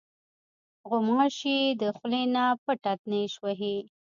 غوماشې د خولې نه پټه نیش وهي.